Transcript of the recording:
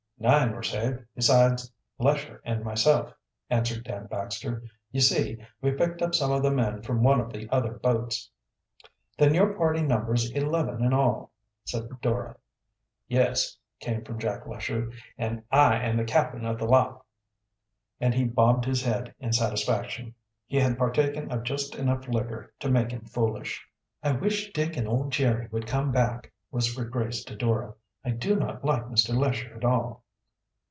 "Nine were saved, besides Lesher and myself," answered Dan Baxter. "You see, we picked up some of the men from one of the other boats." "Then your party numbers eleven in all," said Dora. "Yes," came from Jack Lesher. "An' I am the cap'n of the lot," and he bobbed his head in satisfaction. He had partaken of just enough liquor to make him foolish. "I wish Dick and old Jerry would come back," whispered Grace to Dora. "I do not like Mr. Lesher at all."